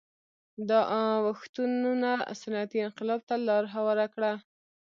دا اوښتونونه صنعتي انقلاب ته لار هواره کړه